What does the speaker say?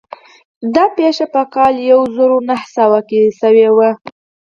دا پېښه په کال يو زر و نهه سوه کې شوې وه.